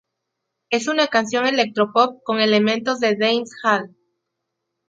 Es una canción electropop con elementos de dancehall.